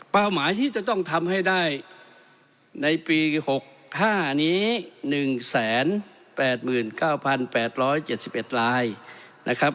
หมายที่จะต้องทำให้ได้ในปี๖๕นี้๑๘๙๘๗๑รายนะครับ